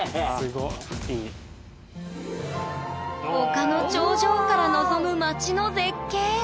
丘の頂上から望む街の絶景。